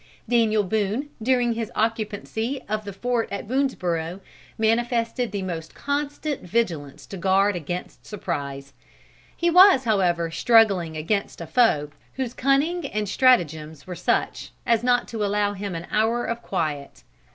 Daniel Boone, during his occupancy of the fort at Boonesborough, manifested the most constant vigilance to guard against surprise. He was however struggling against a foe whose cunning and strategems were such, as not to allow him an hour of quiet.